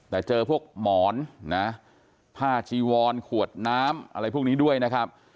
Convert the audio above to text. แต่เจอพวกหมอนนะผ้าจีวอนขวดน้ำอะไรพวกนี้ด้วยนะครับ